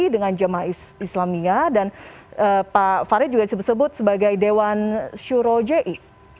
dengan jemaah islamia dan pak farid juga disebut sebagai dewan syurojei